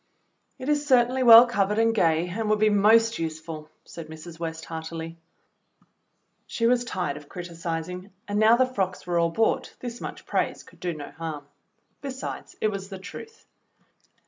"It is certainly well covered and gay, and would be most useful," said Mrs, West heartily. She was tired of criticizing, and now the frocks 34 THE BLUE AUNT were all bought, this much praise could do no harm. Besides, it was the truth.